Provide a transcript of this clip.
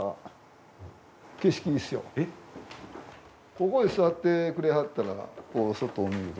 ここへ座ってくれはったら外を見ると。